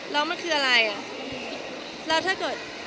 แล้วมันคืออะไร